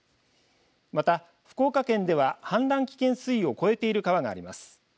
また福岡県では氾濫危険水位を超えている川があります。